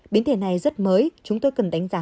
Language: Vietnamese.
biến thể này rất mới chúng tôi cần đánh giá